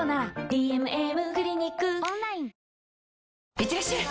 いってらっしゃい！